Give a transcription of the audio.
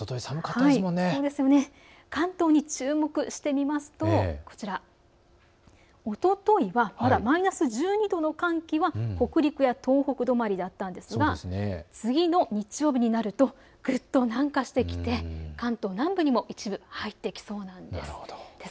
関東に注目してみますとこちら、おとといはまだマイナス１２度の寒気は北陸や東北どまりだったんですが次の日曜日になるとぐっと南下してきて関東南部にも一部入ってきそうなんです。